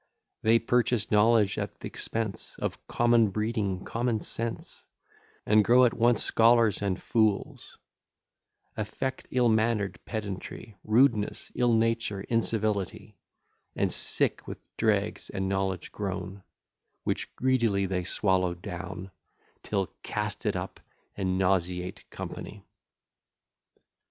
They purchase knowledge at th'expense Of common breeding, common sense, And grow at once scholars and fools; Affect ill manner'd pedantry, Rudeness, ill nature, incivility, And, sick with dregs and knowledge grown, Which greedily they swallow down, Still cast it up, and nauseate company.